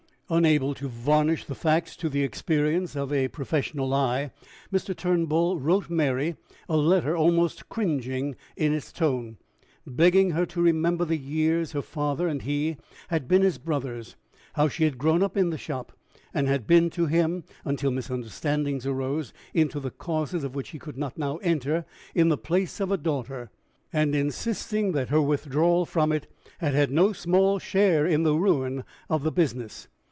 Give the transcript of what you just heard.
Unable to varnish the facts to the experience of a professional eye, Mr. Turnbull wrote Mary a letter almost cringing in its tone, begging her to remember the years her father and he had been as brothers; how she had grown up in the shop, and had been to him, until misunderstandings arose, into the causes of which he could not now enter, in the place of a daughter; and insisting that her withdrawal from it had had no small share in the ruin of the business.